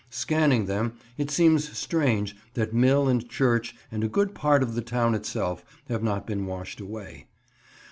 Scanning them, it seems strange that mill and church and a good part of the town itself have not been washed away.